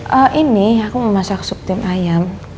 eh ini aku mau masak suptim ayam